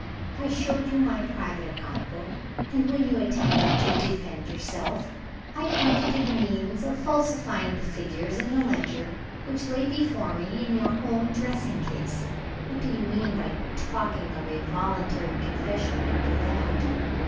I showed you my private account book, and when you attempted to defend yourself, I pointed to the means of falsifying the figures in the ledger which lay before me in your own dressing case. What do you mean by talking of a voluntary confession, after that?"